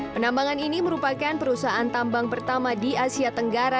penambangan ini merupakan perusahaan tambang pertama di asia tenggara